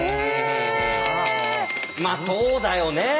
まあそうだよね。